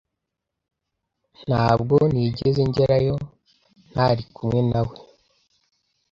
Ntabwo nigeze ngerayo ntari kumwe nawe.